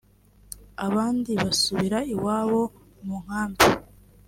abandi basubira iwabo mu nkambi